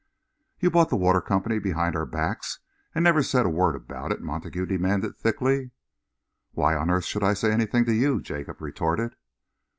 "You bought the Water Company behind our backs and never said a word about it?" Montague demanded thickly. "Why on earth should I say anything to you?" Jacob retorted.